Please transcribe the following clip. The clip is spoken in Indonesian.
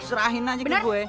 serahin aja gue